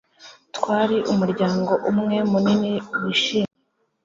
Twari umuryango umwe munini wishimye